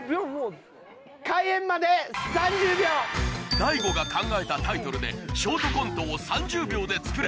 大悟が考えたタイトルでショートコントを３０秒で作れ！